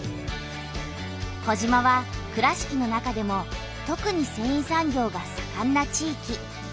児島は倉敷の中でもとくにせんい産業がさかんな地域。